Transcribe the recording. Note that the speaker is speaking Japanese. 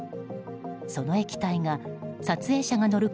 その液体が撮影者の乗る